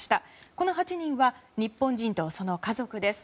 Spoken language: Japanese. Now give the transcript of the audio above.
この８人は日本人とその家族です。